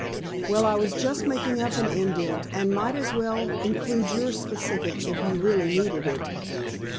"Well, I was just making up an indent, and might as well include your specific if you really needed it."